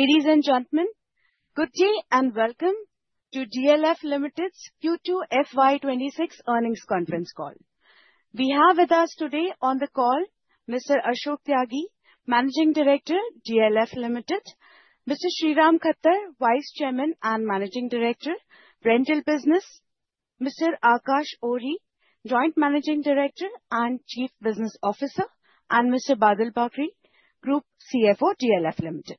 Ladies and gentlemen, good day and welcome to DLF Limited's Q2 FY25 Earnings Conference Call. We have with us today on the call Mr. Ashok Tyagi, Managing Director, DLF Limited, Mr. Sriram Khattar, Vice Chairman and Managing Director, Rental Business, Mr. Aakash Ohri, Joint Managing Director and Chief Business Officer, and Mr. Badal Bagri, Group CFO, DLF Limited.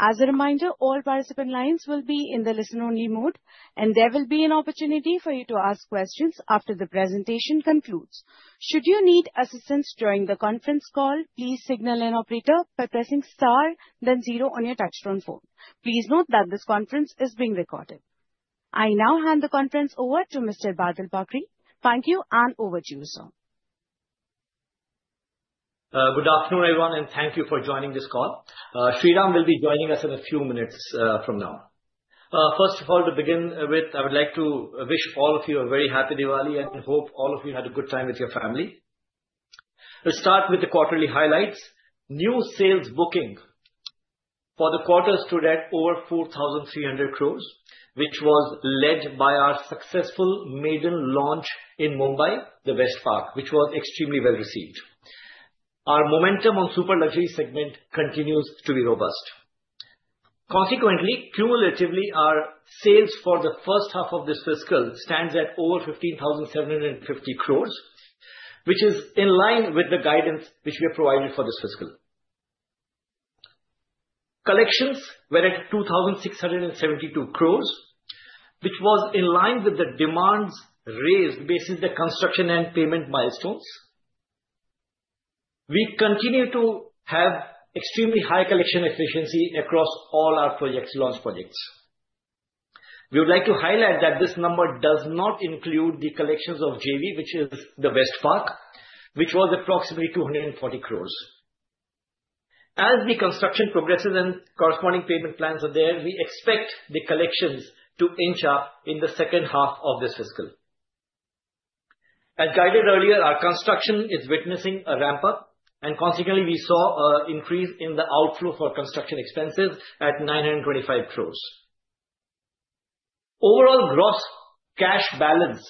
As a reminder, all participant lines will be in the listen-only mode, and there will be an opportunity for you to ask questions after the presentation concludes. Should you need assistance during the conference call, please signal an operator by pressing star, then zero on your touch-tone phone. Please note that this conference is being recorded. I now hand the conference over to Mr. Badal Bagri. Thank you, and over to you, sir. Good afternoon, everyone, and thank you for joining this call. Sriram will be joining us in a few minutes from now. First of all, to begin with, I would like to wish all of you a very happy Diwali and hope all of you had a good time with your family. Let's start with the quarterly highlights. New sales bookings for the quarter stood at over 4,300 crores, which was led by our successful maiden launch in Mumbai, the Privana West, which was extremely well received. Our momentum on the super luxury segment continues to be robust. Consequently, cumulatively, our sales for the first half of this fiscal stand at over 15,750 crores, which is in line with the guidance which we have provided for this fiscal. Collections were at 2,672 crores, which was in line with the demands raised based on the construction and payment milestones. We continue to have extremely high collection efficiency across all our launch projects. We would like to highlight that this number does not include the collections of JV, which is the Privana West, which was approximately 240 crores. As the construction progresses and corresponding payment plans are there, we expect the collections to inch up in the second half of this fiscal. As guided earlier, our construction is witnessing a ramp-up, and consequently, we saw an increase in the outflow for construction expenses at 925 crores. Overall gross cash balance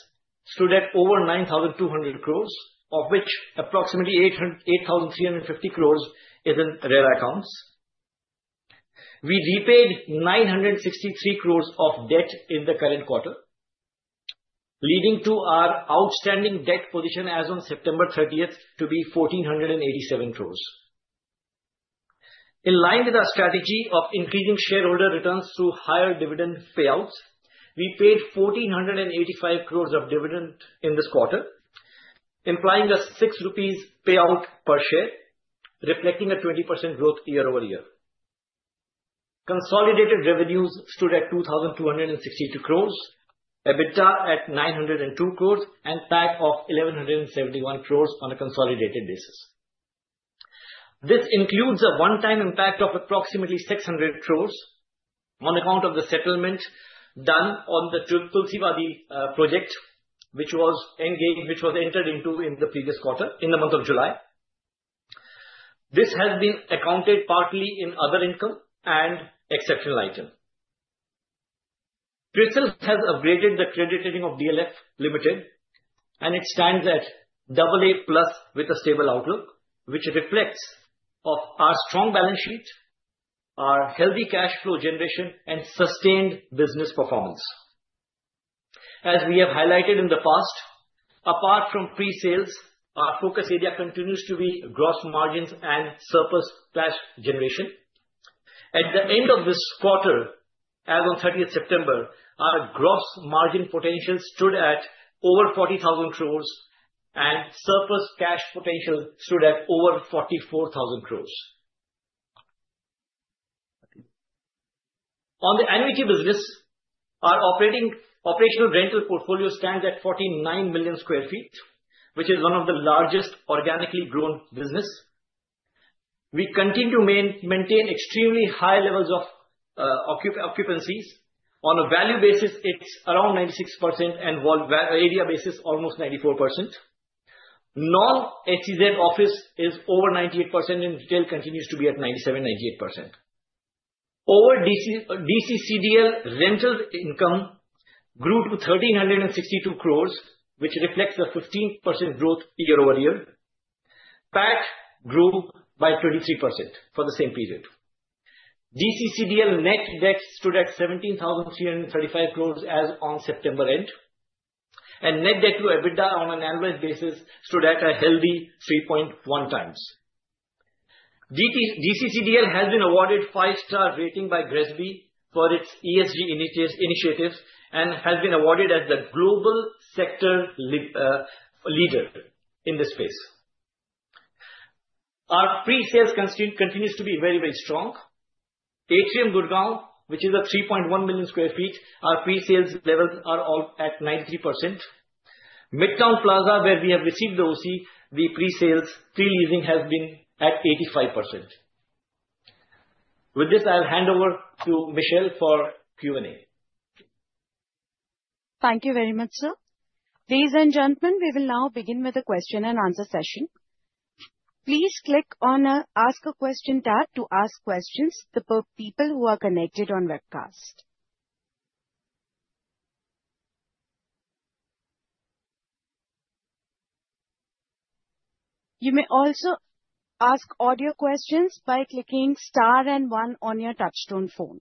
stood at over 9,200 crores, of which approximately 8,350 crores is in RERA accounts. We repaid 963 crores of debt in the current quarter, leading to our outstanding debt position as of September 30th to be 1,487 crores. In line with our strategy of increasing shareholder returns through higher dividend payouts, we paid 1,485 crores of dividend in this quarter, implying a 6 rupees payout per share, reflecting a 20% growth year-over-year. Consolidated revenues stood at 2,262 crores, EBITDA at 902 crores, and PAT of 1,171 crores on a consolidated basis. This includes a one-time impact of approximately 600 crores on account of the settlement done on the Tulsiwadi project, which was entered into in the previous quarter in the month of July. This has been accounted partly in other income and exceptional item. CRISIL has upgraded the credit rating of DLF Limited, and it stands at AA plus with a stable outlook, which reflects our strong balance sheet, our healthy cash flow generation, and sustained business performance. As we have highlighted in the past, apart from pre-sales, our focus area continues to be gross margins and surplus cash generation. At the end of this quarter, as of 30 September, our gross margin potential stood at over 40,000 crores, and surplus cash potential stood at over 44,000 crores. On the annuity business, our operational rental portfolio stands at 49 million sq ft, which is one of the largest organically grown businesses. We continue to maintain extremely high levels of occupancies. On a value basis, it's around 96%, and area basis, almost 94%. Non-SEZ office is over 98%, and retail continues to be at 97%, 98%. Over DCCDL, rental income grew to 1,362 crores, which reflects a 15% growth year-over-year. PAT grew by 23% for the same period. DCCDL net debt stood at 17,335 crores as of September end, and net debt to EBITDA on an annualized basis stood at a healthy 3.1x. DCCDL has been awarded a five-star rating by GRESB for its ESG initiatives and has been awarded as the global sector leader in this space. Our pre-sales continues to be very, very strong. Atrium Place, which is 3.1 million sq ft, our pre-sales levels are all at 93%. Midtown Plaza, where we have received the OC, the pre-sales pre-leasing has been at 85%. With this, I'll hand over to Michelle for Q&A. Thank you very much, sir. Ladies and gentlemen, we will now begin with a question-and-answer session. Please click on the Ask a Question tab to ask questions to the people who are connected on Webcast. You may also ask audio questions by clicking star and one on your touch-tone phone.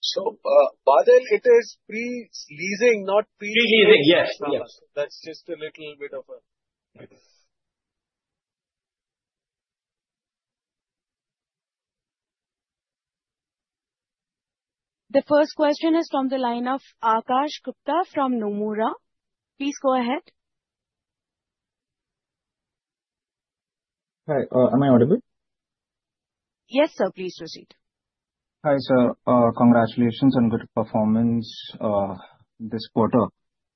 So, Badal, it is pre-leasing, not pre-. Pre-leasing, yes. That's just a little bit of a. The first question is from the line of Aakash Gupta from Nomura. Please go ahead. Hi, am I audible? Yes, sir. Please proceed. Hi, sir. Congratulations on good performance this quarter.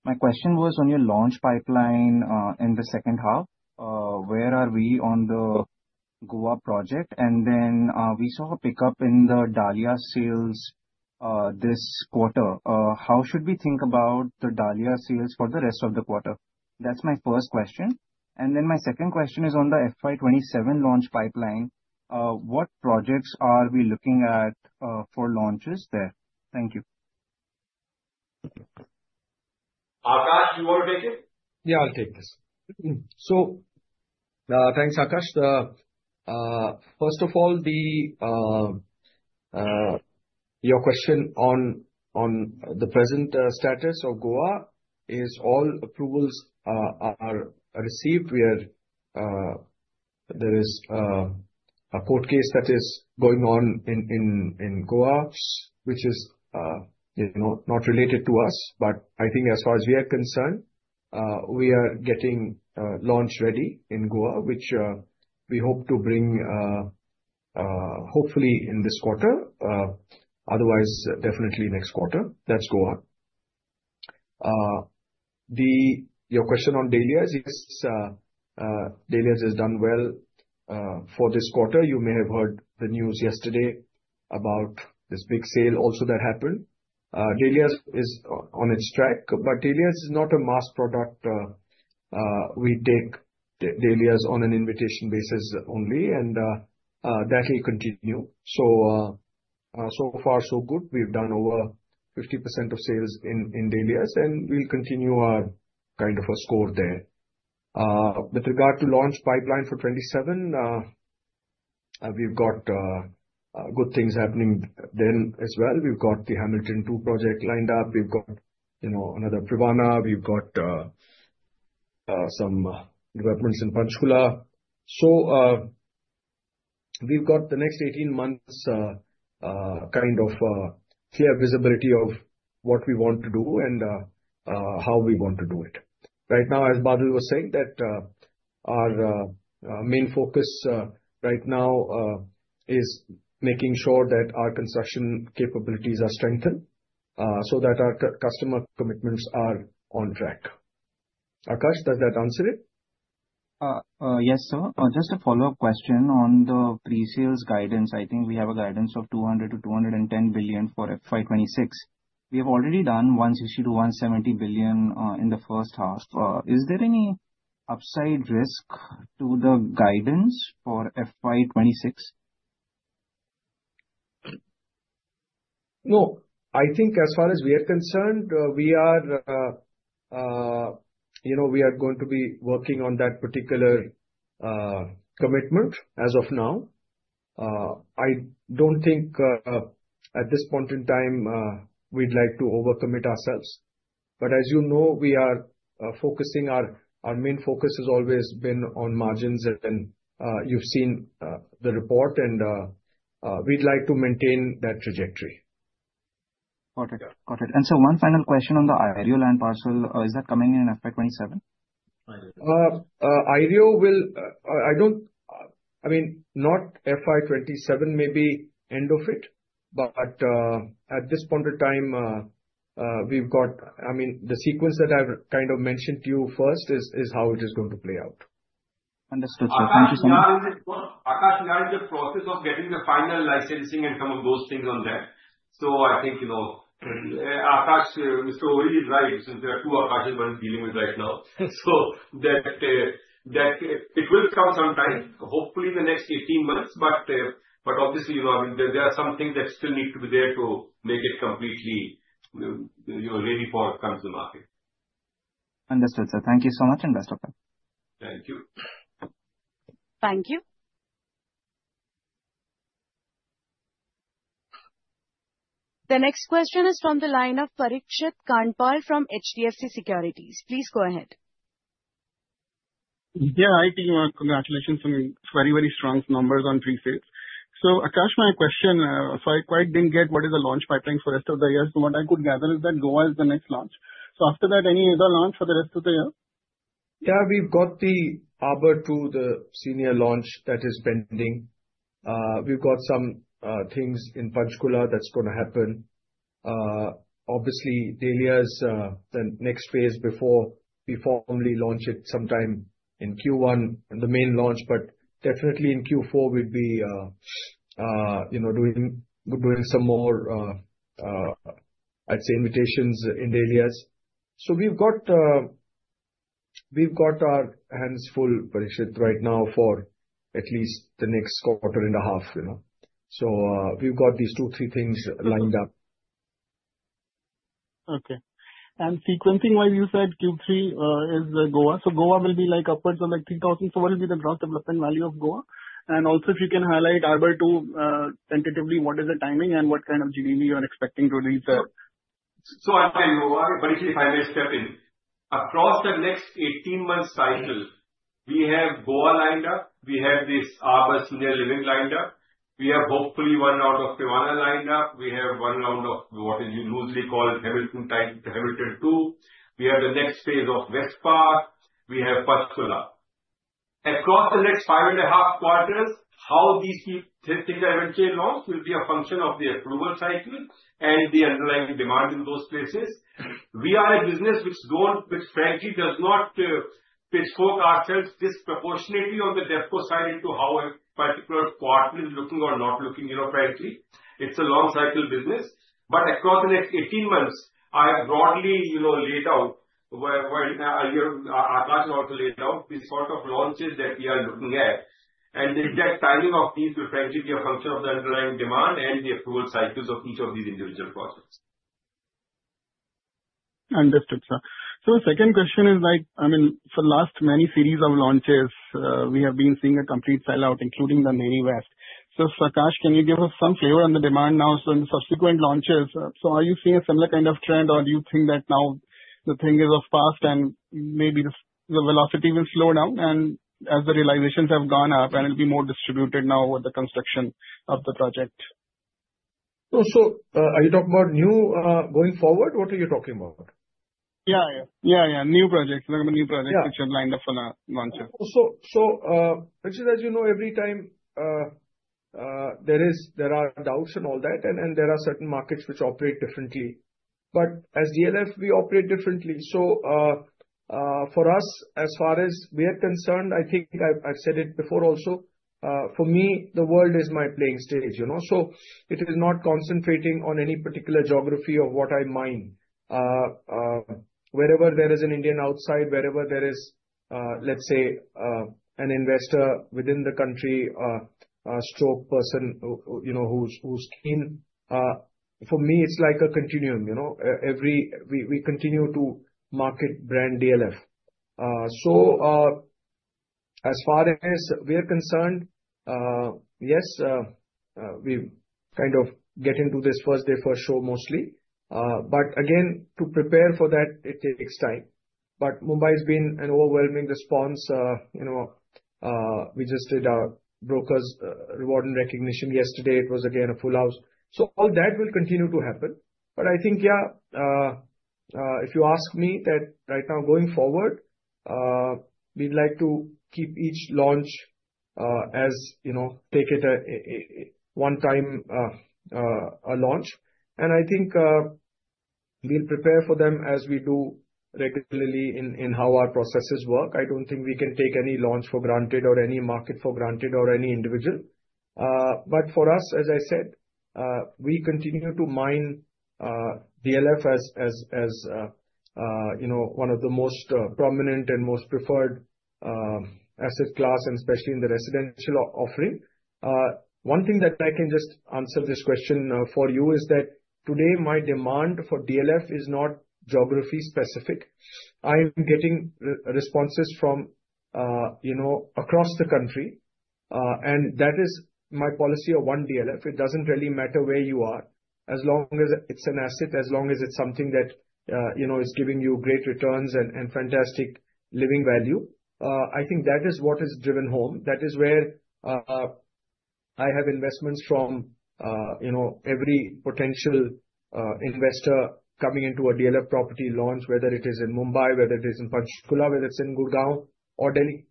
My question was on your launch pipeline in the second half. Where are we on the Goa project? And then we saw a pickup in the Dahlias sales this quarter. How should we think about the Dahlias sales for the rest of the quarter? That's my first question. And then my second question is on the FY27 launch pipeline. What projects are we looking at for launches there? Thank you. Aakash, you want to take it? Yeah, I'll take this. So, thanks, Aakash. First of all, your question on the present status of Goa is all approvals are received. There is a court case that is going on in Goa, which is not related to us. But I think as far as we are concerned, we are getting launch ready in Goa, which we hope to bring hopefully in this quarter. Otherwise, definitely next quarter. That's Goa. Your question on Dahlias is Dahlias has done well for this quarter. You may have heard the news yesterday about this big sale also that happened. Dahlias is on its track, but Dahlias is not a mass product. We take Dahlias on an invitation basis only, and that will continue. So, so far, so good. We've done over 50% of sales in Dahlias, and we'll continue our kind of a course there. With regard to launch pipeline for 2027, we've got good things happening then as well. We've got the Hamilton II project lined up. We've got another Privana. We've got some developments in Panchkula. So, we've got the next 18 months kind of clear visibility of what we want to do and how we want to do it. Right now, as Badal was saying, that our main focus right now is making sure that our construction capabilities are strengthened so that our customer commitments are on track. Aakash, does that answer it? Yes, sir. Just a follow-up question on the pre-sales guidance. I think we have a guidance of 200 billion-210 billion for FY26. We have already done 160 billion- 170 billion in the first half. Is there any upside risk to the guidance for FY26? No. I think as far as we are concerned, we are going to be working on that particular commitment as of now. I don't think at this point in time we'd like to overcommit ourselves. But as you know, we are focusing. Our main focus has always been on margins, and you've seen the report, and we'd like to maintain that trajectory. Got it. Got it. And so, one final question on the Yari Road land parcel. Is that coming in FY27? Road will, I mean, not FY27, maybe end of it. But at this point of time, we've got, I mean, the sequence that I've kind of mentioned to you first is how it is going to play out. Understood, sir. Thank you so much. Aakash, we are in the process of getting the final licensing and some of those things on there. So I think Aakash, Mr. Ohri is right. There are two Aakashes, one is dealing with right now. So it will come sometime, hopefully in the next 18 months. But obviously, there are some things that still need to be there to make it completely ready for coming to the market. Understood, sir. Thank you so much and best of luck. Thank you. Thank you. The next question is from the line of Parikshit Kandpal from HDFC Securities. Please go ahead. Yeah, I think congratulations on very, very strong numbers on pre-sales. So, Aakash, my question, so I quite didn't get what is the launch pipeline for the rest of the year. So what I could gather is that Goa is the next launch. So after that, any other launch for the rest of the year? Yeah, we've got the Arbour II, the senior launch that is pending. We've got some things in Panchkula that's going to happen. Obviously, Dahlias, the next phase before we formally launch it sometime in Q1, the main launch. But definitely in Q4, we'd be doing some more, I'd say, invitations in Dahlias. So we've got our hands full, Parikshit, right now for at least the next quarter and a half. So we've got these two, three things lined up. Okay. And sequencing-wise, you said Q3 is Goa. So Goa will be upwards of 3,000. So what will be the gross development value of Goa? And also, if you can highlight The Arbour II tentatively, what is the timing and what kind of GDV you are expecting to reach? So I'll tell you, Parikshit, if I may step in. Across the next 18-month cycle, we have Goa lined up. We have this Arbour senior living lined up. We have hopefully one round of Privana lined up. We have one round of what is usually called Hamilton II, Hamilton II. We have the next phase of Privana West. We have Panchkula. Across the next five and a half quarters, how these three things are eventually launched will be a function of the approval cycle and the underlying demand in those places. We are a business which, frankly, does not position ourselves disproportionately on the depth of line of sight into how a particular quarter is looking or not looking, frankly. It's a long-cycle business. But across the next 18 months, I have broadly laid out, Aakash has also laid out, the sort of launches that we are looking at. The exact timing of these will, frankly, be a function of the underlying demand and the approval cycles of each of these individual projects. Understood, sir. So the second question is, I mean, for the last many series of launches, we have been seeing a complete sellout, including the Privana West. So Aakash, can you give us some flavor on the demand now in subsequent launches? So are you seeing a similar kind of trend, or do you think that now the thing is of past and maybe the velocity will slow down as the realizations have gone up and it'll be more distributed now with the construction of the project? So are you talking about new going forward? What are you talking about? New projects, the new projects which are lined up for launches. Parikshit, as you know, every time there are doubts and all that, and there are certain markets which operate differently. But as DLF, we operate differently. So for us, as far as we are concerned, I think I've said it before also, for me, the world is my playing stage. So it is not concentrating on any particular geography of what I mean. Wherever there is an Indian outside, wherever there is, let's say, an investor within the country, a strong person who's keen, for me, it's like a continuum. We continue to market brand DLF. So as far as we are concerned, yes, we kind of get into this first-day-first-show mostly. But again, to prepare for that, it takes time. But Mumbai has been an overwhelming response. We just did our brokers' reward and recognition yesterday. It was again a full house. So all that will continue to happen. But I think, yeah, if you ask me that right now going forward, we'd like to keep each launch as take it one-time launch. And I think we'll prepare for them as we do regularly in how our processes work. I don't think we can take any launch for granted or any market for granted or any individual. But for us, as I said, we continue to find DLF as one of the most prominent and most preferred asset class, and especially in the residential offering. One thing that I can just answer this question for you is that today, the demand for DLF is not geography-specific. I am getting responses from across the country. And that is my policy of one DLF. It doesn't really matter where you are. As long as it's an asset, as long as it's something that is giving you great returns and fantastic living value, I think that is what is driven home. That is where I have investments from every potential investor coming into a DLF property launch, whether it is in Mumbai, whether it is in Panchkula, whether it's in Gurgaon or Delhi.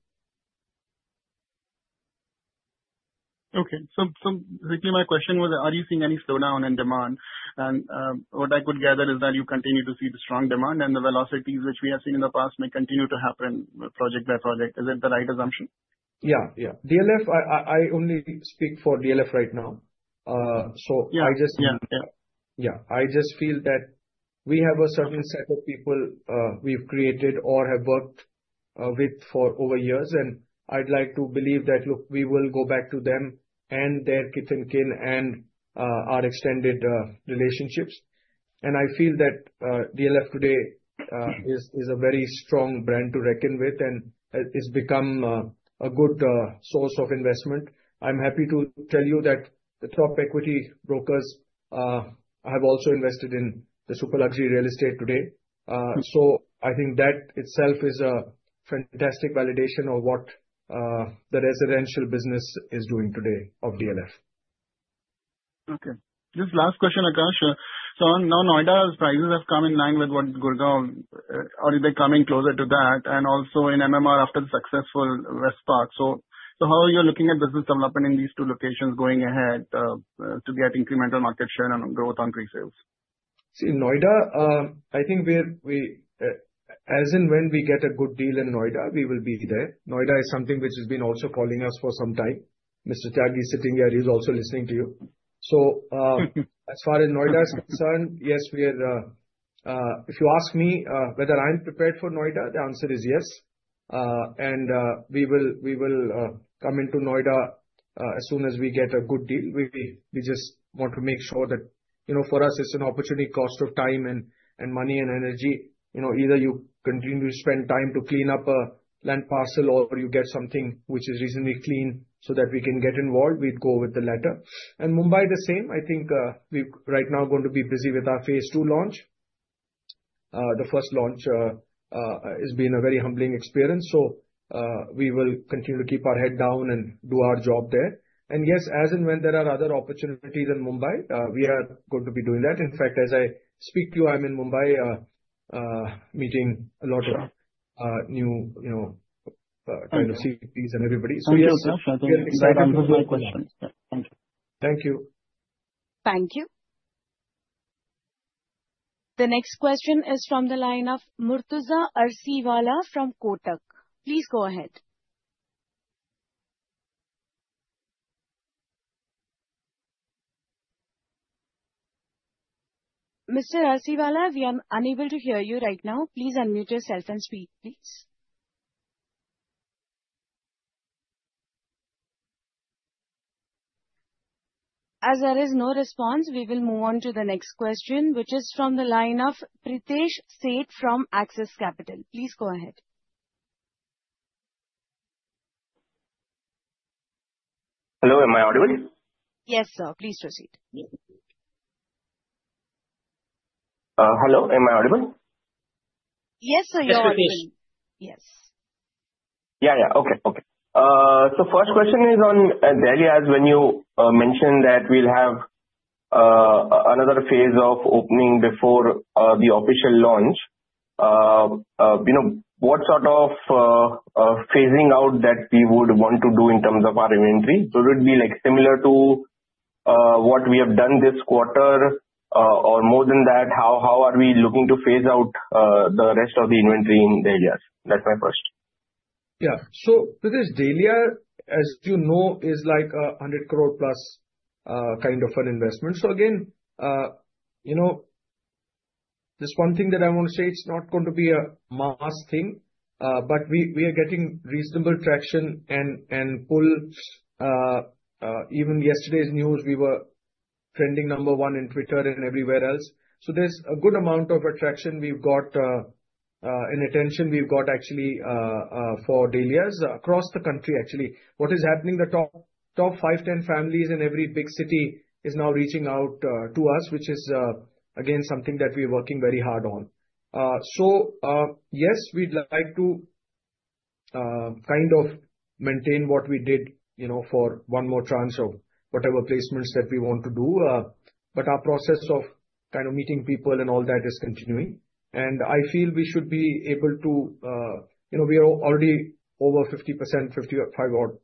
Okay. So basically, my question was, are you seeing any slowdown in demand? And what I could gather is that you continue to see the strong demand, and the velocities which we have seen in the past may continue to happen project by project. Is that the right assumption? Yeah, yeah. I only speak for DLF right now. So I just. Yeah. Yeah. I just feel that we have a certain set of people we've created or have worked with for over years. And I'd like to believe that, look, we will go back to them and their kith and kin and our extended relationships. And I feel that DLF today is a very strong brand to reckon with and has become a good source of investment. I'm happy to tell you that the top equity brokers have also invested in the super luxury real estate today. So I think that itself is a fantastic validation of what the residential business is doing today of DLF. Okay. Just last question, Aakash. So now, Noida's prices have come in line with what Gurgaon or they're coming closer to that. And also in MMR after the successful Privana West. So how are you looking at business development in these two locations going ahead to get incremental market share and growth on pre-sales? See, Noida. I think as and when we get a good deal in Noida, we will be there. Noida is something which has been also calling us for some time. Mr. Tyagi sitting here, he's also listening to you. So as far as Noida is concerned, yes, we are if you ask me whether I'm prepared for Noida, the answer is yes. And we will come into Noida as soon as we get a good deal. We just want to make sure that for us, it's an opportunity cost of time and money and energy. Either you continue to spend time to clean up a land parcel or you get something which is reasonably clean so that we can get involved, we'd go with the latter. And Mumbai, the same. I think we're right now going to be busy with our phase II launch. The first launch has been a very humbling experience. So we will continue to keep our head down and do our job there. And yes, as and when there are other opportunities in Mumbai, we are going to be doing that. In fact, as I speak to you, I'm in Mumbai meeting a lot of new kind of CPs and everybody. So yes, we're excited to hear questions. Thank you. Thank you. Thank you. The next question is from the line of Murtuza Arsiwalla from Kotak. Please go ahead. Mr. Arsiwalla, we are unable to hear you right now. Please unmute yourself and speak, please. As there is no response, we will move on to the next question, which is from the line of Pritesh Sheth from Axis Capital. Please go ahead. Hello. Am I audible? Yes, sir. Please proceed. Hello. Am I audible? Yes, sir. You're audible. Yes. Yeah, yeah. Okay, okay. So first question is on Dahlias when you mentioned that we'll have another phase of opening before the official launch. What sort of phasing out that we would want to do in terms of our inventory? So would it be similar to what we have done this quarter or more than that? How are we looking to phase out the rest of the inventory in Dahlias? That's my first. Yeah. So Pritesh, Dahlias, as you know, is like a 100 crore plus kind of an investment. So again, just one thing that I want to say, it's not going to be a mass thing, but we are getting reasonable traction and pull. Even yesterday's news, we were trending number one in Twitter and everywhere else. So there's a good amount of attraction. We've got an attention we've got actually for Dahlias across the country, actually. What is happening, the top five, 10 families in every big city is now reaching out to us, which is, again, something that we're working very hard on. So yes, we'd like to kind of maintain what we did for one more tranche of whatever placements that we want to do. But our process of kind of meeting people and all that is continuing. And I feel we should be able to, we are already over 50%, 55%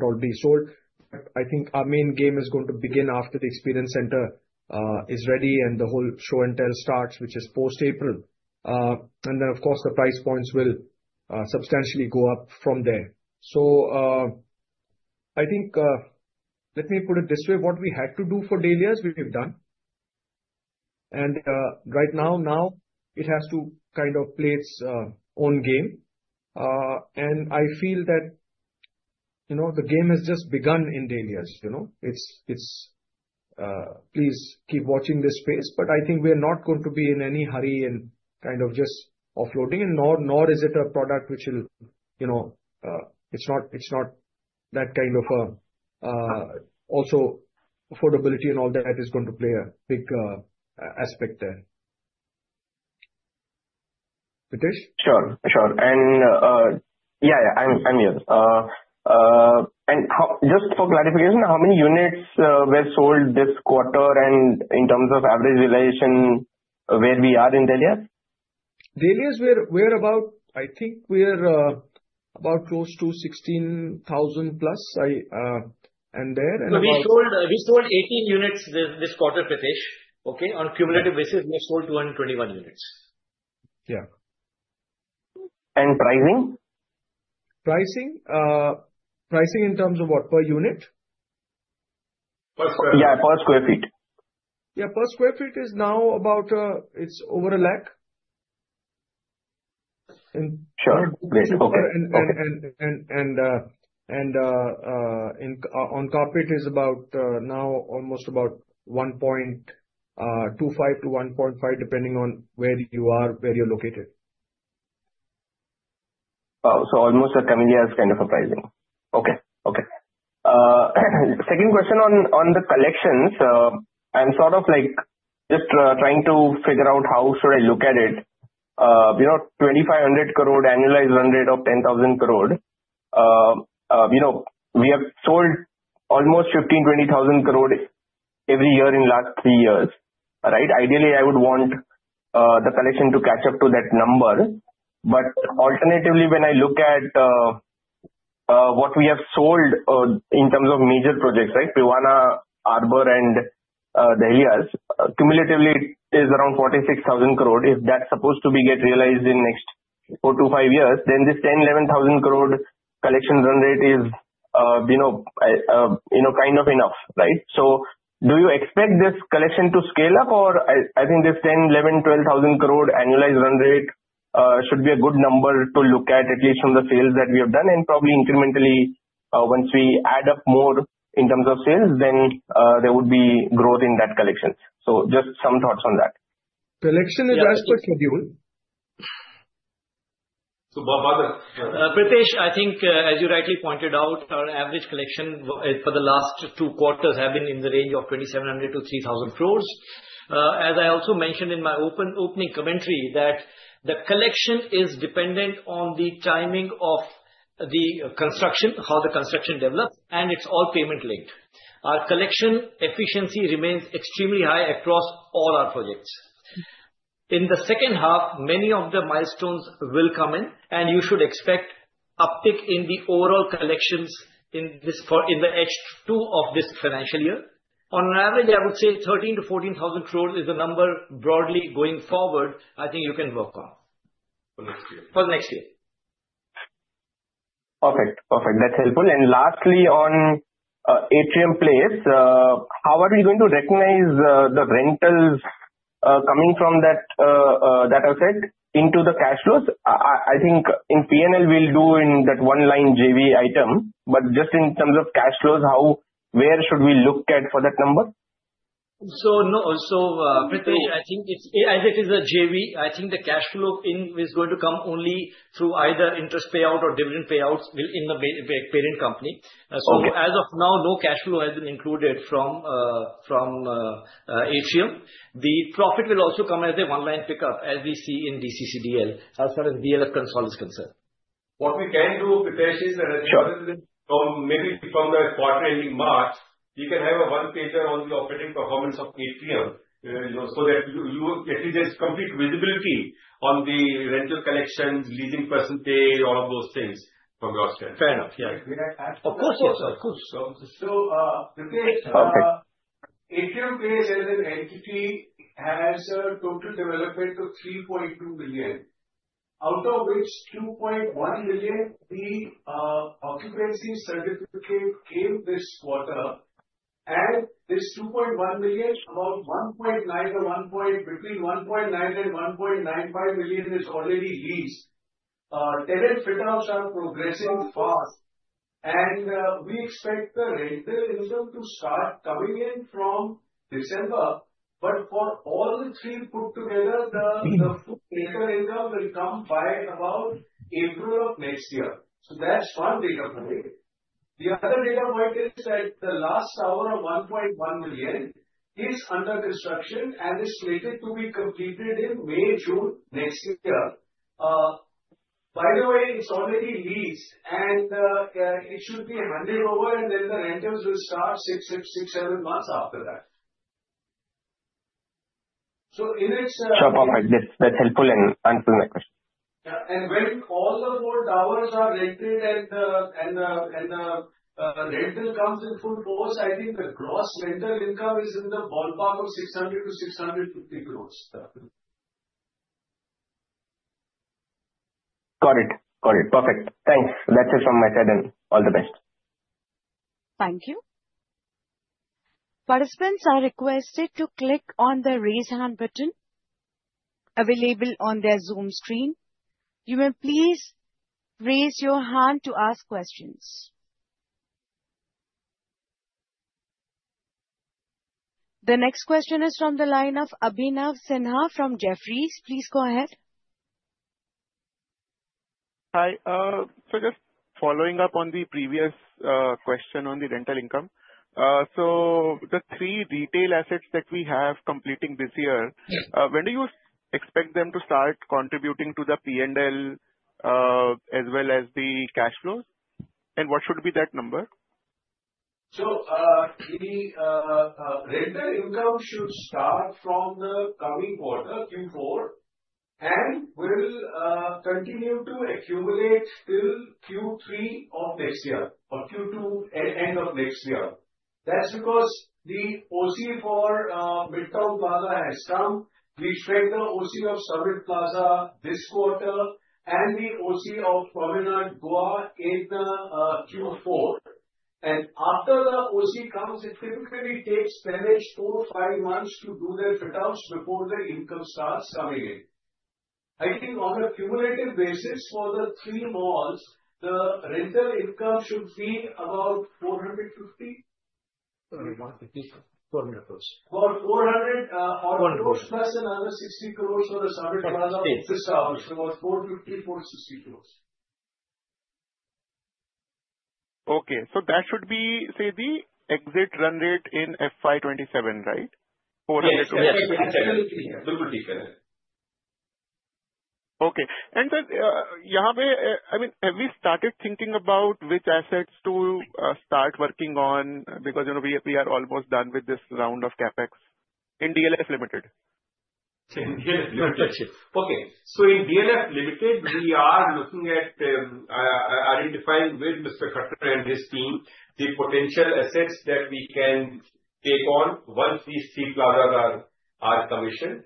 already sold. But I think our main game is going to begin after the experience center is ready and the whole show and tell starts, which is post-April. And then, of course, the price points will substantially go up from there. So I think let me put it this way. What we had to do for The Dahlias, we have done. And right now, now it has to kind of play its own game. And I feel that the game has just begun in The Dahlias. Please keep watching this space. But I think we are not going to be in any hurry and kind of just offloading. And nor is it a product which will. It's not that kind of also affordability and all that is going to play a big aspect there. Pritesh? Sure, sure and yeah, yeah, I'm here and just for clarification, how many units were sold this quarter, and in terms of average realization, where we are in Dahlias? The Dahlias, we're about, I think, close to 16,000 plus and there. We sold 18 units this quarter, Pritesh. Okay. On cumulative basis, we have sold 221 units. Yeah. And pricing? Pricing? Pricing in terms of what? Per unit? Per square feet. Yeah, per square feet. Yeah, per square feet is now about. It's over a lakh. Sure. Great. Okay. And on carpet, it's now almost about 1.25 to 1.5 depending on where you are, where you're located. So almost a 10 years kind of a pricing. Okay, okay. Second question on the collections. I'm sort of just trying to figure out how should I look at it. 2,500 crore annualized run rate of 10,000 crore. We have sold almost 15-20 thousand crore every year in the last three years. Right? Ideally, I would want the collection to catch up to that number. But alternatively, when I look at what we have sold in terms of major projects, right, Privana, Arbour, and Dahlias, cumulatively is around 46,000 crore. If that's supposed to be realized in the next four to five years, then this 10-11 thousand crore collection run rate is kind of enough, right? So do you expect this collection to scale up? Or I think this 10,000-12,000 crore annualized run rate should be a good number to look at, at least from the sales that we have done. And probably incrementally, once we add up more in terms of sales, then there would be growth in that collection. So just some thoughts on that. Collection is as per schedule. Pritesh, I think, as you rightly pointed out, our average collection for the last two quarters has been in the range of 2,700-3,000 crores. As I also mentioned in my opening commentary, that the collection is dependent on the timing of the construction, how the construction develops, and it's all payment linked. Our collection efficiency remains extremely high across all our projects. In the second half, many of the milestones will come in, and you should expect uptick in the overall collections in the H2 of this financial year. On average, I would say 13-14 thousand crore is the number broadly going forward, I think you can work on for the next year. Perfect. Perfect. That's helpful. And lastly, on Atrium Place, how are we going to recognize the rentals coming from that asset into the cash flows?I think in P&L, we'll do in that one line JV item. But just in terms of cash flows, where should we look at for that number? So Pritesh, I think as it is a JV, I think the cash flow is going to come only through either interest payout or dividend payouts in the parent company. So as of now, no cash flow has been included from Atrium. The profit will also come as a one-line pickup, as we see in DCCDL as far as DLF Consult is concerned. What we can do, Pritesh, is maybe from the quarter ending March, we can have a one-pager on the operating performance of Atrium so that there's complete visibility on the rental collections, leasing percentage, all of those things from your standpoint. Fair enough. Yeah. Of course, of course. Pritesh, Atrium Place as an entity has a total development of 3.2 million, out of which 2.1 million the occupancy certificate came this quarter, and this 2.1 million, about 1.9 or between 1.9 and 1.95 million is already leased. Tenant fit-outs are progressing fast, and we expect the rental income to start coming in from December, but for all three put together, the rental income will come by about April of next year. That's one data point. The other data point is that the last tower of 1.1 million is under construction and is slated to be completed in May, June next year. By the way, it's already leased, and it should be handed over, and then the rentals will start six, seven months after that. So in its. Sure. Perfect. That's helpful, and answer my question. Yeah, and when all the four towers are rented and the rental comes in full force, I think the gross rental income is in the ballpark of INR 600-INR 650 crores. Got it. Got it. Perfect. Thanks. That's it from my side. And all the best. Thank you. Participants are requested to click on the raise hand button available on their Zoom screen. You may please raise your hand to ask questions. The next question is from the line of Abhinav Sinha from Jefferies. Please go ahead. Hi. So just following up on the previous question on the rental income. So the three retail assets that we have completing this year, when do you expect them to start contributing to the P&L as well as the cash flows? And what should be that number? So the rental income should start from the coming quarter, Q4, and will continue to accumulate till Q3 of next year or Q2 end of next year. That's because the OC for Midtown Plaza has come. We track the OC of Summit Plaza this quarter and the OC of Promenade in Q4. And after the OC comes, it typically takes 10ish to 5 months to do the fit-outs before the income starts coming in. I think on a cumulative basis for the three malls, the rental income should be about 450? INR 450-INR 400 crores. About INR 400 or close to another INR 60 crores for the Summit Plaza office towers. So about INR 450, INR 460 crores. Okay. So that should be, say, the exit run rate in FY27, right? INR 400 crores. Yes, absolutely. Absolutely. Yeah. Okay. And sir, yeah, I mean, have we started thinking about which assets to start working on? Because we are almost done with this round of CapEx in DLF Limited. In DLF Limited. Okay. So in DLF Limited, we are looking at identifying with Mr. Khattar and his team the potential assets that we can take on once these three plazas are commissioned.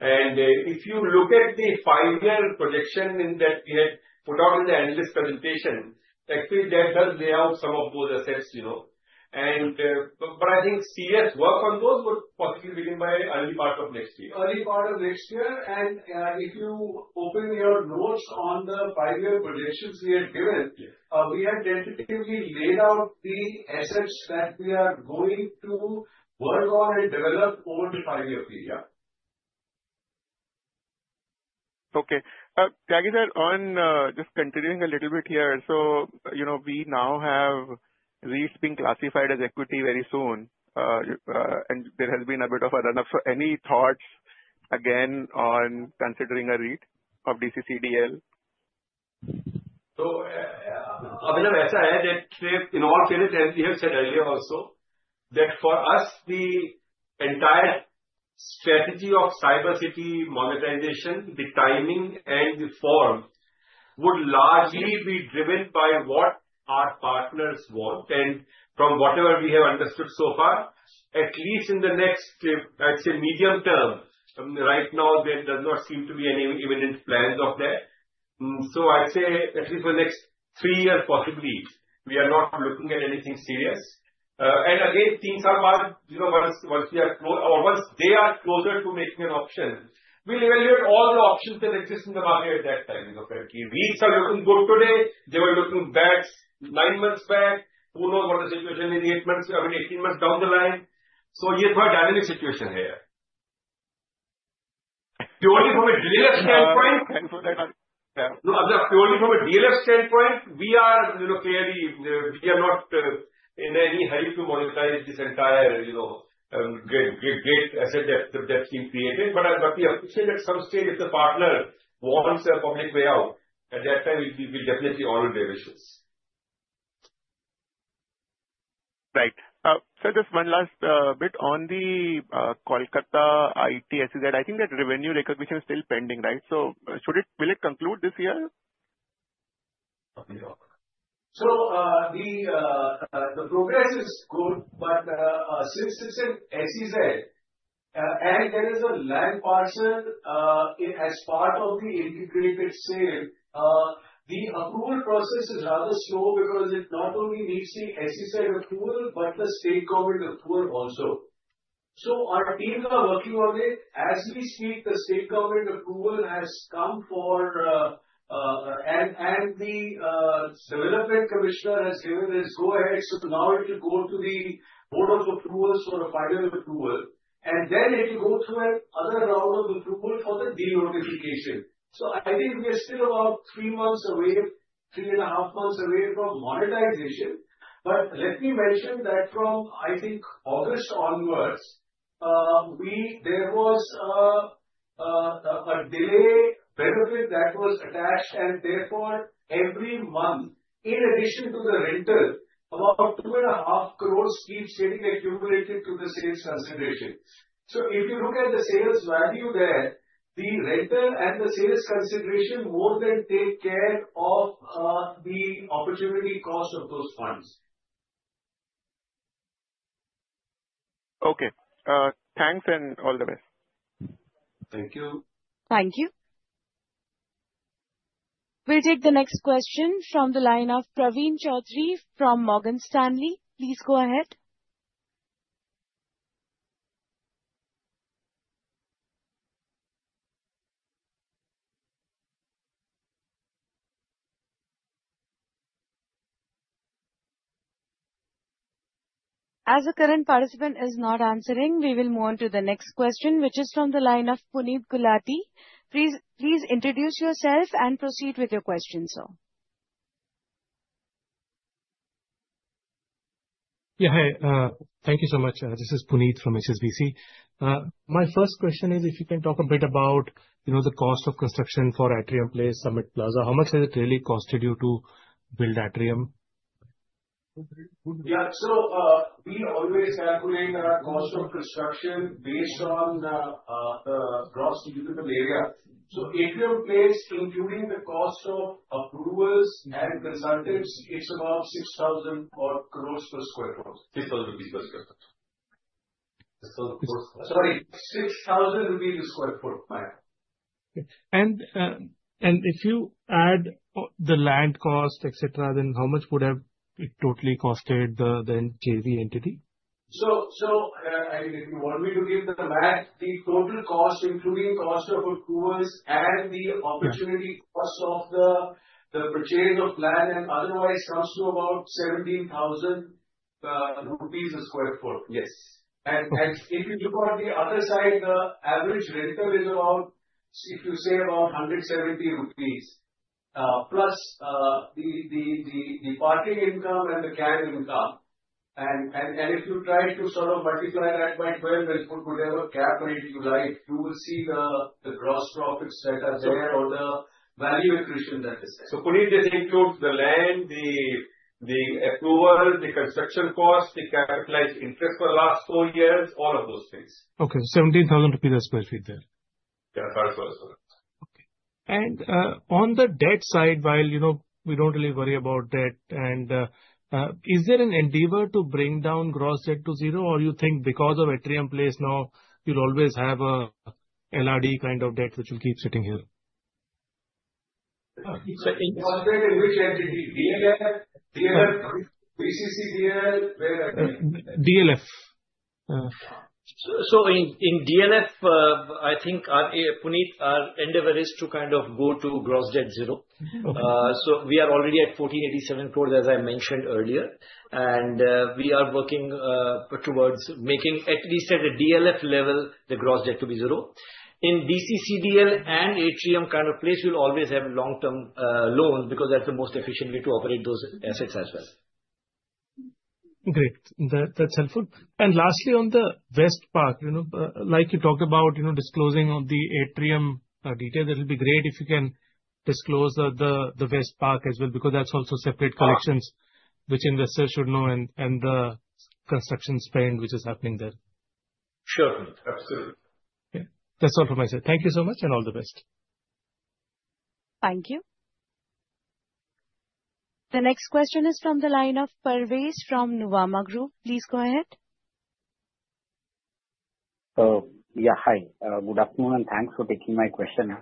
And if you look at the five-year projection that we had put out in the analyst presentation, actually, that does lay out some of those assets. And but I think serious work on those would possibly begin by early part of next year. Early part of next year, and if you open your notes on the five-year projections we had given, we had tentatively laid out the assets that we are going to work on and develop over the five-year period. Okay. Tyagi, on just continuing a little bit here. So we now have REITs being classified as equity very soon, and there has been a bit of a run-up. So any thoughts again on considering a REIT of DCCDL? So Abhinav, I say that in all fairness, as you have said earlier also, that for us, the entire strategy of CyberCity monetization, the timing and the form would largely be driven by what our partners want. And from whatever we have understood so far, at least in the next, I'd say, medium term, right now, there does not seem to be any imminent plans of that. So I'd say at least for the next three years, possibly, we are not looking at anything serious. And again, things are once we are close or once they are closer to making an option, we'll evaluate all the options that exist in the market at that time. REITs are looking good today. They were looking bad nine months back. Who knows what the situation is eight months, I mean, 18 months down the line? So yeah, it's quite a dynamic situation here. Purely from a DLF standpoint. Thank you for that. Abhinav, purely from a DLF standpoint, we are clearly not in any hurry to monetize this entire great asset that's been created. But if at some stage the partner wants a public payout, at that time, we will definitely honor their wishes. Right. So just one last bit on the Kolkata IT SEZ. I think that revenue recognition is still pending, right? So will it conclude this year? The progress is good. Since it's an SEZ and there is a land parcel as part of the integrated sale, the approval process is rather slow because it not only needs the SEZ approval, but the state government approval also. Our teams are working on it. As we speak, the state government approval has come, and the development commissioner has given his go-ahead. Now it will go to the Board of Approvals for a final approval. Then it will go through another round of approval for the de-notification. I think we are still about three months away, three and a half months away from monetization. Let me mention that from, I think, August onwards, there was a delay benefit that was attached. Therefore, every month, in addition to the rental, about 2.5 crores keeps getting accumulated to the sales consideration. If you look at the sales value there, the rental and the sales consideration more than take care of the opportunity cost of those funds. Okay. Thanks and all the best. Thank you. Thank you. We'll take the next question from the line of Praveen Choudhary from Morgan Stanley. Please go ahead. As the current participant is not answering, we will move on to the next question, which is from the line of Puneet Gulati. Please introduce yourself and proceed with your question, sir. Yeah. Hi. Thank you so much. This is Puneet from HSBC. My first question is if you can talk a bit about the cost of construction for Atrium Place, Summit Plaza. How much has it really costed you to build Atrium? Yeah. So we always calculate our cost of construction based on the gross usable area. So Atrium Place, including the cost of approvals and consultants, it's about 6,000 crores per sq ft. 6,000 rupees per sq ft. Sorry. INR 6,000 a sq ft. And if you add the land cost, etc., then how much would it have totally cost the JV entity? So I mean, if you want me to give the math, the total cost, including cost of approvals and the opportunity cost of the purchase of land and otherwise, comes to about 17,000 rupees sq ft. Yes, and if you look on the other side, the average rental is about, if you say, about 170 rupees plus the parking income and the CAM income. And if you try to sort of multiply that by 12 and put whatever calculator you like, you will see the gross profits that are there or the value accretion that is there. Puneet, this includes the land, the approval, the construction cost, the capitalized interest for the last four years, all of those things. Okay. 17,000 rupees a sq ft there. Yeah. 1,000 a sq ft. Okay. And on the debt side, while we don't really worry about debt, is there an endeavor to bring down gross debt to zero, or you think because of Atrium Place, now you'll always have a LRD kind of debt which will keep sitting here? So in what way? In which entity? DLF, DLF, DCCDL, where? DLF. So in DLF, I think Puneet's endeavor is to kind of go to gross debt zero. So we are already at 1,487 crores, as I mentioned earlier. And we are working towards making, at least at the DLF level, the gross debt to be zero. In DCCDL and Atrium Place, we'll always have long-term loans because that's the most efficient way to operate those assets as well. Great. That's helpful. And lastly, on the Privana West, like you talked about disclosing on the Atrium Place detail, that will be great if you can disclose the Privana West as well because that's also separate collections which investors should know and the construction spend which is happening there. Sure. Absolutely. Yeah. That's all from my side. Thank you so much and all the best. Thank you. The next question is from the line of Parvez from Nuvama Group. Please go ahead. Yeah. Hi. Good afternoon, and thanks for taking my question.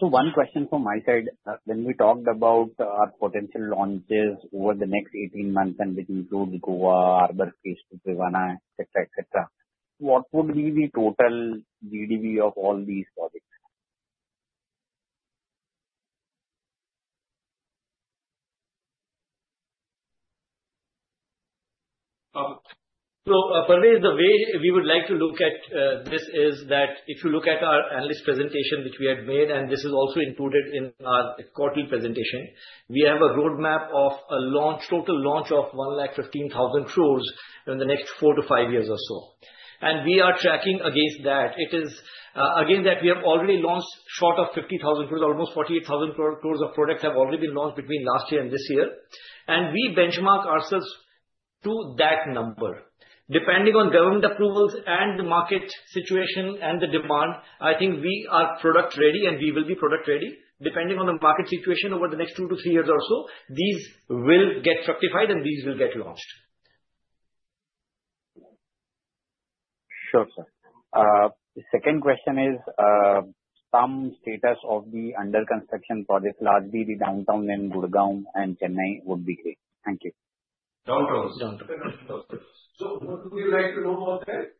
So one question from my side. When we talked about our potential launches over the next 18 months, and which includes Goa, Arbour, Kasauli, Privana, etc., etc., what would be the total GDV of all these projects? Parvees, the way we would like to look at this is that if you look at our analyst presentation which we had made, and this is also included in our quarterly presentation, we have a roadmap of a total launch of 115,000 crores in the next four to five years or so. We are tracking against that. It is, again, that we have already launched short of 50,000 crores. Almost 48,000 crores of products have already been launched between last year and this year. We benchmark ourselves to that number. Depending on government approvals and the market situation and the demand, I think we are product-ready, and we will be product-ready. Depending on the market situation over the next two to three years or so, these will get rectified, and these will get launched. Sure, sir. The second question is some status of the under-construction projects. Lastly, the downtown in Gurugram and Chennai would be great. Thank you. Downtown. So what would you like to know about that?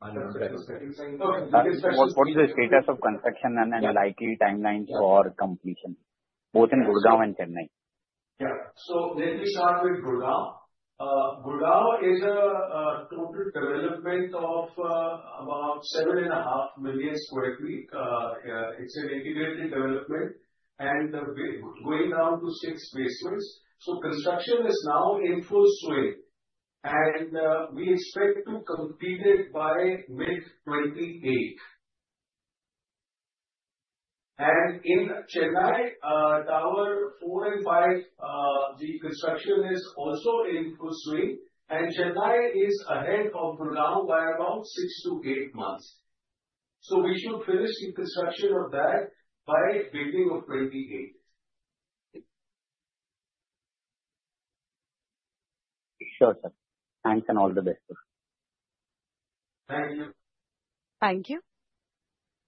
What is the status of construction and the likely timelines for completion, both in Gurugram and Chennai? Yeah. So let me start with Gurgaon. Gurgaon is a total development of about 7.5 million sq ft. It's an integrated development and going down to six basements. So construction is now in full swing. And we expect to complete it by mid-2028. And in Chennai, Tower 4 and 5, the construction is also in full swing. And Chennai is ahead of Gurgaon by about six to eight months. So we should finish the construction of that by the end of 2028. Sure, sir. Thanks and all the best. Thank you. Thank you.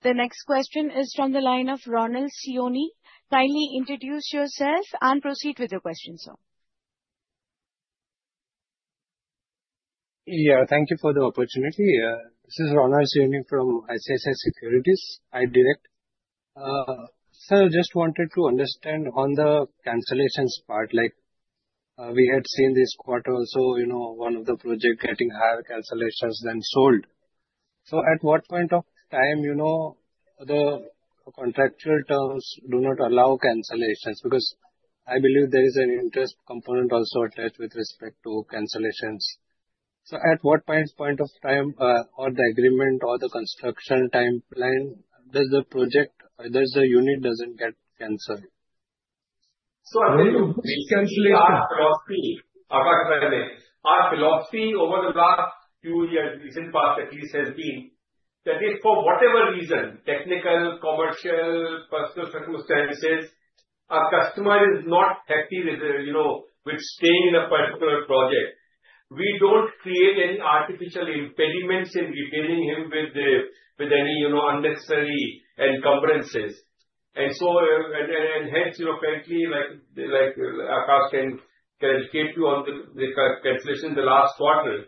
The next question is from the line of Ronald Siyoni. Kindly introduce yourself and proceed with your question, sir. Yeah. Thank you for the opportunity. This is Ronald Siyoni from Sharekhan. I direct. Sir, I just wanted to understand on the cancellations part. We had seen this quarter also, one of the projects getting higher cancellations than sold. So at what point of time the contractual terms do not allow cancellations? Because I believe there is an interest component also attached with respect to cancellations. So at what point of time or the agreement or the construction timeline does the project or does the unit get canceled? So I'm going to briefly recap our philosophy. Our philosophy over the last few years, recent past, at least, has been that if for whatever reason, technical, commercial, personal circumstances, our customer is not happy with staying in a particular project, we don't create any artificial impediments in retaining him with any unnecessary encumbrances. And hence, frankly, like Aakash can educate you on the cancellations in the last quarter.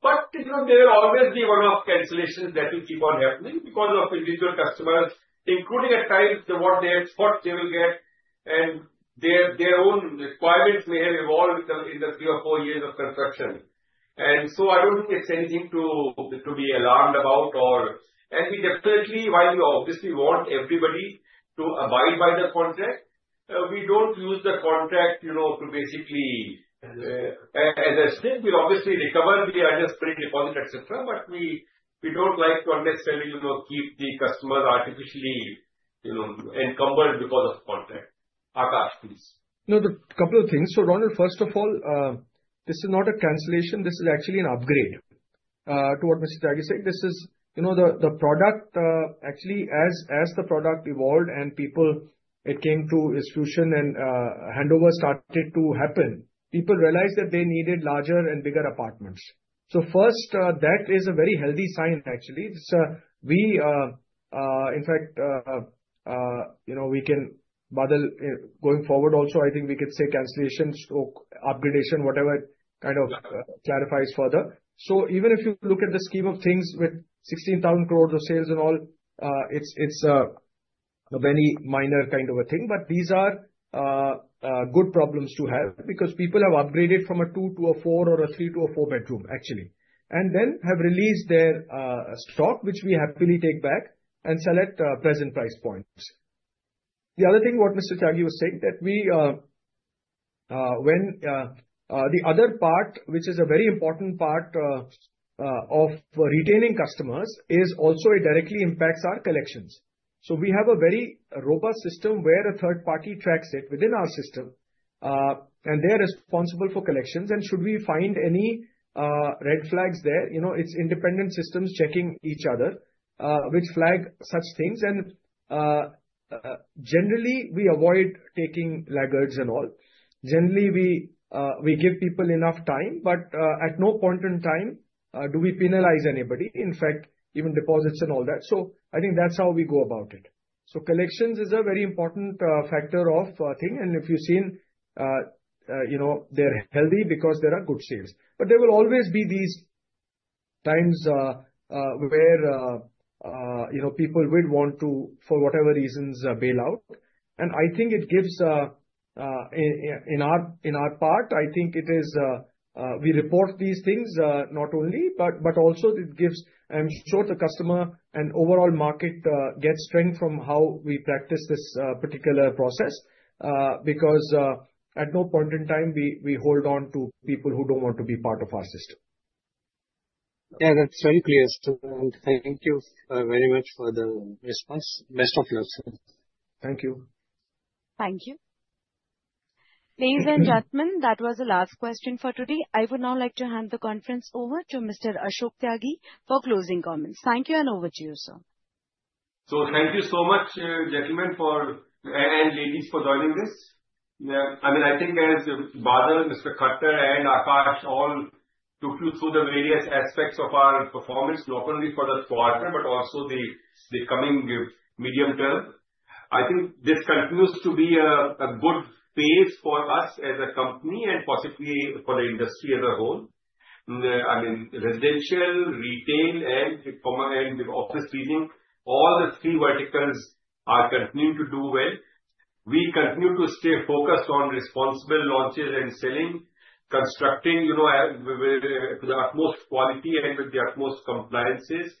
But there will always be one-off cancellations that will keep on happening because of individual customers, including at times what they thought they will get. And their own requirements may have evolved in the three or four years of construction. And so I don't think it's anything to be alarmed about. And we definitely, while we obviously want everybody to abide by the contract, we don't use the contract to basically as a SIP. We obviously recover, we understand the deposit, etc. But we don't like to unnecessarily keep the customer artificially encumbered because of the contract. Aakash, please. No, a couple of things. So Ronald, first of all, this is not a cancellation. This is actually an upgrade. To what Mr. Tyagi said, this is the product. Actually, as the product evolved and people, it came to its fruition and handover started to happen, people realized that they needed larger and bigger apartments. So first, that is a very healthy sign, actually. In fact, we can both going forward also, I think we could say cancellations or upgradation, whatever kind of clarifies further. So even if you look at the scheme of things with 16,000 crores of sales and all, it's a very minor kind of a thing. But these are good problems to have because people have upgraded from a two to a four or a three to a four-bedroom, actually, and then have released their stock, which we happily take back and sell at present price points. The other thing, what Mr. Tyagi was saying, that when the other part, which is a very important part of retaining customers, is also it directly impacts our collections. So we have a very robust system where a third party tracks it within our system. And they are responsible for collections. And should we find any red flags there, it's independent systems checking each other which flag such things. And generally, we avoid taking laggards and all. Generally, we give people enough time. But at no point in time do we penalize anybody, in fact, even deposits and all that. So I think that's how we go about it. So collections is a very important factor of thing. And if you've seen, they're healthy because there are good sales. But there will always be these times where people would want to, for whatever reasons, bail out. And I think it gives, in our part, I think it is we report these things not only, but also it gives, I'm sure, the customer and overall market gets strength from how we practice this particular process because at no point in time, we hold on to people who don't want to be part of our system. Yeah. That's very clear, sir. And thank you very much for the response. Best of luck, sir. Thank you. Thank you. Ladies and gentlemen, that was the last question for today. I would now like to hand the conference over to Mr. Ashok Tyagi for closing comments. Thank you, and over to you, sir. Thank you so much, gentlemen and ladies, for joining this. I mean, I think as Badal, Mr. Khattar, and Aakash all took you through the various aspects of our performance, not only for the quarter but also the coming medium term, I think this continues to be a good phase for us as a company and possibly for the industry as a whole. I mean, residential, retail, and office building, all the three verticals are continuing to do well. We continue to stay focused on responsible launches and selling, constructing to the utmost quality and with the utmost compliances,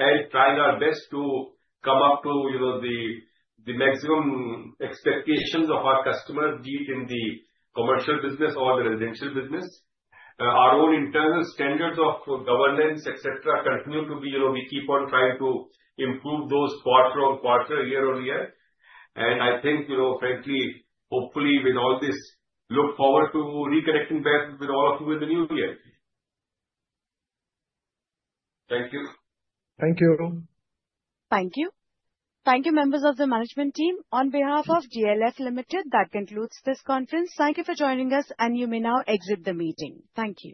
and trying our best to come up to the maximum expectations of our customers, be it in the commercial business or the residential business. Our own internal standards of governance, etc., continue to be. We keep on trying to improve those quarter on quarter, year on year. I think, frankly, hopefully, with all this, look forward to reconnecting back with all of you in the new year. Thank you. Thank you. Thank you. Thank you, members of the management team. On behalf of DLF Limited, that concludes this conference. Thank you for joining us, and you may now exit the meeting. Thank you.